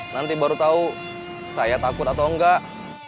nanti baru tahu saya takut atau enggak